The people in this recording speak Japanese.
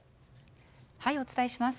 お伝えします。